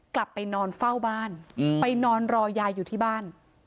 กลับไปนอนเฝ้าบ้านไปนอนรอยายอยู่ที่บ้าน